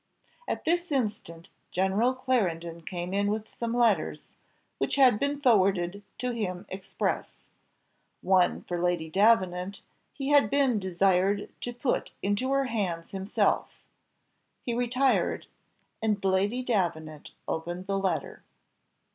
At this instant General Clarendon came in with some letters, which had been forwarded to him express. One, for Lady Davenant, he had been desired to put into her hands himself: he retired, and Lady Davenant opened the letter.